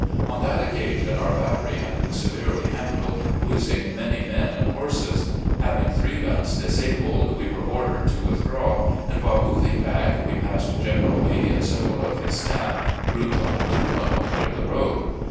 On that occasion our battery had been severely handled, losing many men and horses. Having three g^s disabled, we were ordered to with draw, and while moving back we passed General Lee and several of his staff, grouped on a little knoU near the road.